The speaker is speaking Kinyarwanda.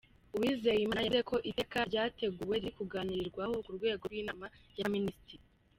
Uwizeyimana yavuze ko Iteka ryateguwe riri kuganirwaho ku rwego rw’Inama y’Abaminisitiri.